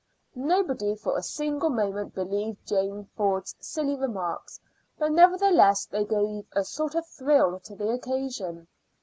Nobody for a single moment believed Janey Ford's silly remarks, but nevertheless they gave a sort of thrill to the occasion.